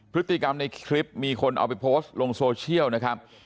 พฤติกรรมในคลิปมีคนเอาไปโพสต์ลงโซเชียลนะครับ